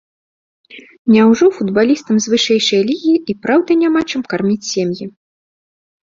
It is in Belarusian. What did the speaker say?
Няўжо футбалістам з вышэйшай лігі і праўда няма чым карміць сем'і?